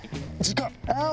時間！